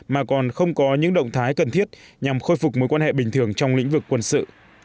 mà còn không có những động thái cần thiết nhằm khôi phục mối quan hệ bình thường trong lĩnh vực quân sự